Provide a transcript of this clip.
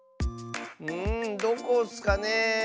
んどこッスかね？